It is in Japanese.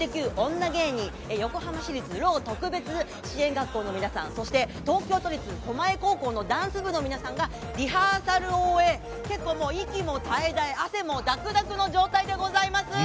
女芸人、横浜市立ろう特別支援学校の皆さん、そして、東京都立狛江高校のダンス部の皆さんがリハーサルを終え、結構もう息も絶え絶え、汗もだくだくの状態でございます。